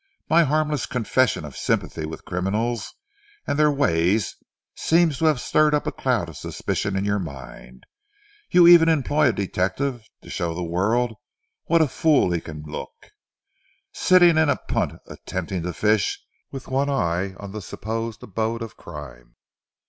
My harmless confession of sympathy with criminals and their ways seems to have stirred up a cloud of suspicion in your mind. You even employ a detective to show the world what a fool he can look, sitting in a punt attempting to fish, with one eye on the supposed abode of crime."